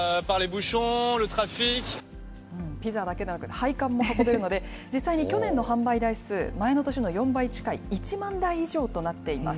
配管も運べるので、実際に去年の販売台数、前の年の４倍近い１万台以上となっています。